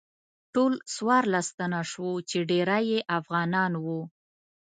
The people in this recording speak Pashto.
ټول څوارلس تنه شوو چې ډیری یې افغانان وو.